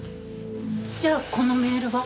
じゃあこのメールは？